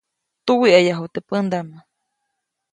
Tuwiʼayaju teʼ pändaʼm.